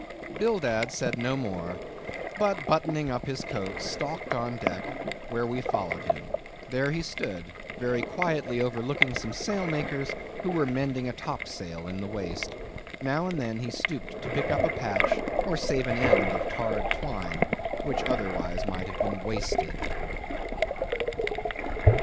Bildad said no more, but buttoning up his coat, stalked on deck, where we followed him. There he stood, very quietly overlooking some sailmakers who were mending a top sail in the waist. Now and then he stooped to pick up a patch, or save an end of tarred twine, which otherwise might have been wasted.